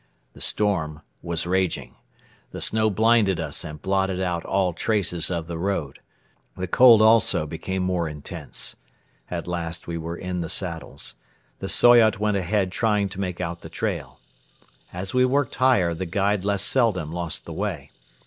The storm was raging. The snow blinded us and blotted out all traces of the road. The cold also became more intense. At last we were in the saddles. The Soyot went ahead trying to make out the trail. As we worked higher the guide less seldom lost the way.